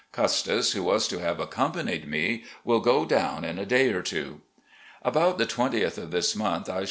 Custis, who was to have accompanied me, will go down in a day or two. ... "About the 20th of this month I.